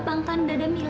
kamilavoor apa yangski